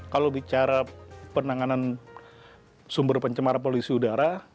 kalau bicara penanganan sumber pencemaran polusi udara